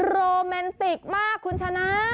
โรแมนติกมากคุณชนะ